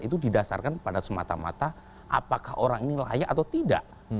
itu didasarkan pada semata mata apakah orang ini layak atau tidak